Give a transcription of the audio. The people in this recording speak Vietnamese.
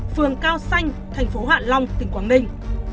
phường cao xanh tp hoạn long tỉnh quảng ninh